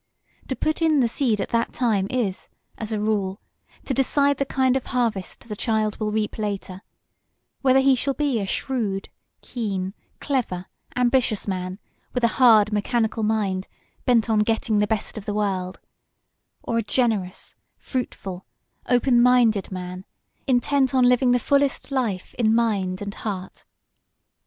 To put in the seed at that time is, as a rule, to decide the kind of harvest the child will reap later; whether he shall be a shrewd, keen, clever, ambitious man, with a hard, mechanical mind, bent on getting the best of the world; or a generous, fruitful, open minded man, intent on living the fullest life in mind and heart.